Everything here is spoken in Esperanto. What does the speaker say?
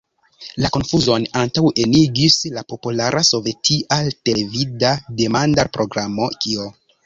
La konfuzon antaŭenigis la populara sovetia televida demandar-programo "Kio?